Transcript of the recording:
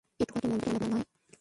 এটোয়া তো মন্দ জায়গা নয়।